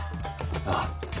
ああ。